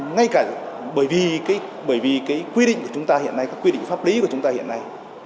ngay cả bởi vì cái quy định của chúng ta hiện nay các quy định pháp lý của chúng ta hiện nay